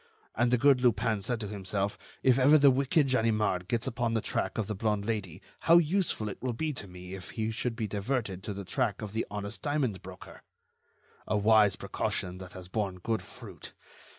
And the good Lupin said to himself: If ever the wicked Ganimard gets upon the track of the blonde Lady, how useful it will be to me if he should be diverted to the track of the honest diamond broker. A wise precaution that has borne good fruit.